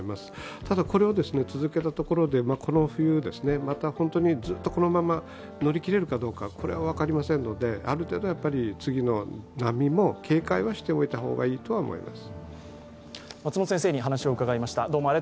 ただ、これを続けたところでこの冬ずっとこのまま乗り切れるかどうか、分かりませんのである程度次の波も警戒はしておいた方がいいと思います。